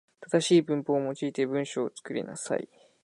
正しい文法を用いて文章を作りなさい。